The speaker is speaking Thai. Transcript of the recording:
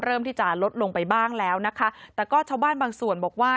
เริ่มที่จะลดลงไปบ้างแล้วนะคะแต่ก็ชาวบ้านบางส่วนบอกว่า